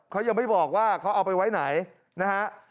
เขายังไม่บอกว่าเขาเอาไปไว้ไหนนะฮะ